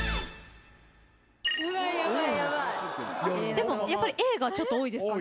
でもやっぱりＡが多いですかね。